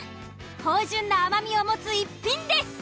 芳醇な甘みを持つ逸品です。